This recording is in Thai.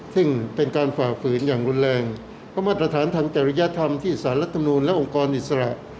ซึ่งเป็นการฝ่าฝืนอย่างรุนแรงเพราะมาตรฐานทางจริยธรรมที่สารรัฐมนูลและองค์กรอิสระ